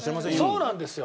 そうなんですよ。